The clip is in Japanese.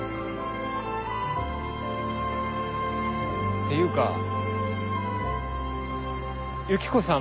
っていうかユキコさん